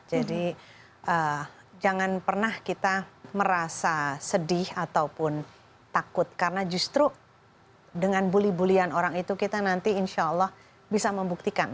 jadi jangan pernah kita merasa sedih ataupun takut karena justru dengan buli bulian orang itu kita nanti insya allah bisa membuktikan